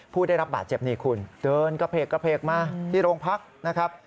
ผู้ได้รับบาดเจ็บนี่คุณเดินกระเพกกระเพกมาที่โรงพักนะครับ